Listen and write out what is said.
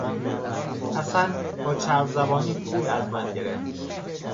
حسن با چربزبانی پول از من گرفت.